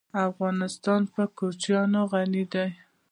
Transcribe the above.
افغانستان په کوچیان غني دی.